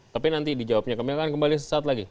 tapi nanti dijawabnya kami akan kembali sesaat lagi